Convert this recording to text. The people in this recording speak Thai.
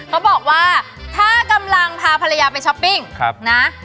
เขาบอกว่าถ้ากำลังพาภรรยาไปช้อปปิ้งนะ